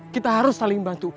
kita harus saling bantu